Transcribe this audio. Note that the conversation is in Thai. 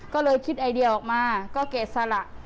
ก็เลยคิดไอเดียออกมาก็เกะสละ